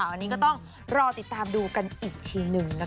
อันนี้ก็ต้องรอติดตามดูกันอีกทีหนึ่งนะคะ